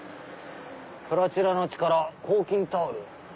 「プラチナの力抗菌タオル」。